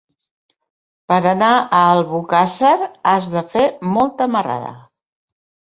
Per anar a Albocàsser has de fer molta marrada.